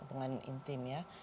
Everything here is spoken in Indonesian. hubungan intim ya